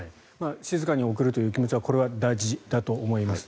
静かに送るという気持ちは大事だと思います。